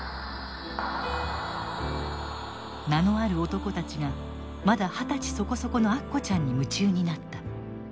名のある男たちがまだ二十歳そこそこのアッコちゃんに夢中になった。